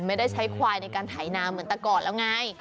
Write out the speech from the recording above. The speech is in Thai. ไม่ได้ใช้ควายในการไถนาเหมือนแต่ก่อนแล้วไง